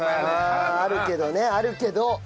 あるけどねあるけど。